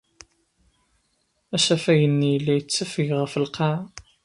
Asafag-nni yella yettafeg ɣef lqaɛa.